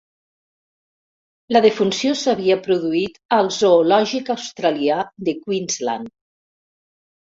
La defunció s'havia produït al zoològic australià de Queensland.